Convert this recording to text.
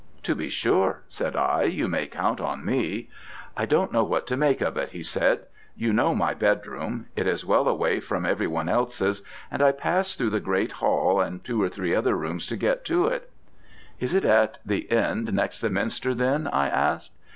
'To be sure,' said I, 'you may count on me.' 'I don't know what to make of it,' he said. 'You know my bedroom. It is well away from every one else's, and I pass through the great hall and two or three other rooms to get to it.' 'Is it at the end next the minster, then?' I asked.